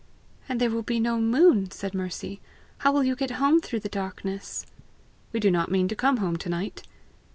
"And there will be no moon!" said Mercy: "how will you get home through the darkness?" "We do not mean to come home to night."